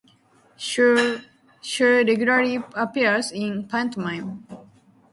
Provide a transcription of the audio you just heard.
Sue regularly appears in pantomime.